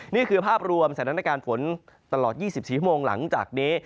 นี่คือภาพรวมสถานการณ์ฝนตลอด๒๔ชั่วโมงหลังจากนี้